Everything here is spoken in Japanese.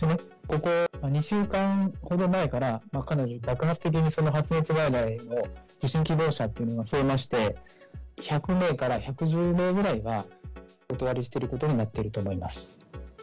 ここ２週間ほど前から、かなり爆発的に発熱外来の受診希望者というのが増えまして、１００名から１１０名ぐらいは、お断りしてることになってると思います。